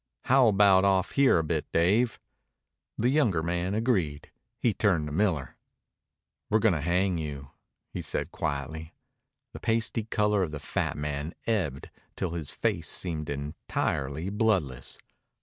"How about off here a bit, Dave?" The younger man agreed. He turned to Miller. "We're going to hang you," he said quietly. The pasty color of the fat man ebbed till his face seemed entirely bloodless.